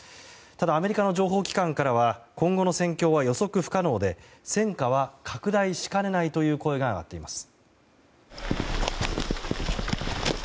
ただ、アメリカの情報機関からは今後の戦況は予測不可能で戦火は拡大しかねないという声が上がっています。